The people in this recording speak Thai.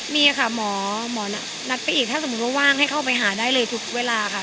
มีค่ะหมอหมอนัดไปอีกถ้าสมมุติว่าว่างให้เข้าไปหาได้เลยทุกเวลาค่ะ